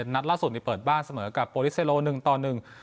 นัดล่าสุดนี้เปิดบ้านเสมอกับโปรลิสเซโลหนึ่งต่อหนึ่ง